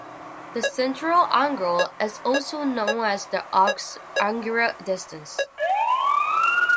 The central angle is also known as the arc's angular distance.